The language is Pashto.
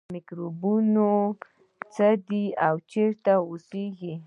میکروبونه څه دي او چیرته اوسیږي